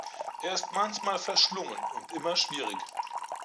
Er ist manchmal verschlungen und immer schwierig.